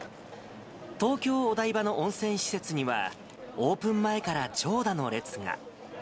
東京・お台場の温泉施設には、オープン前から長蛇の列が。